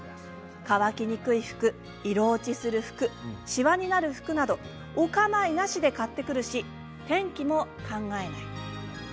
乾きにくい服、色落ちする服しわになる服などお構いなしで買ってくるし天気も考えない。